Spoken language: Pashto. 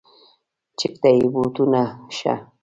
چک ته بې بوټونو شه.